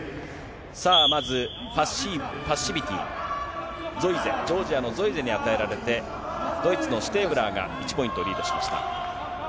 さあ、まずパッシビティ、ゾイゼ、ジョージアのゾイゼに与えられて、ドイツのシュテーブラーが１ポイントリードしました。